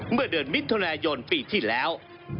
เมื่อเดือนมิถุนายนปีที่แล้ว